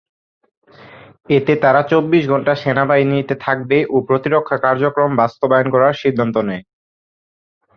এতে তারা চব্বিশ ঘণ্টা সেনাবাহিনীতে থাকবে ও প্রতিরক্ষা কার্যক্রম বাস্তবায়ন করার সিদ্ধান্ত নেয়।